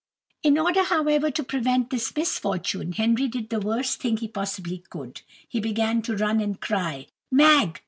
In order, however, to prevent this misfortune, Henry did the very worst thing he possibly could; he began to run and cry, "Mag!